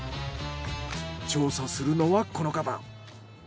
調査するのはこの方。